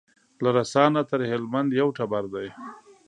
له رسا نه تر هلمند یو ټبر دی